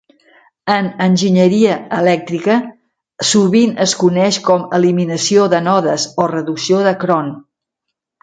En enginyeria elèctrica sovint es coneix com eliminació de nodes o reducció de Kron.